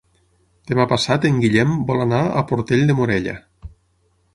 Demà passat en Guillem vol anar a Portell de Morella.